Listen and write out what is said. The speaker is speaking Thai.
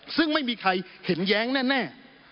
ซึ่งไม่มีใครเห็นแย้งแน่